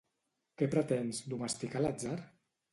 Què pretens, domesticar l'atzar?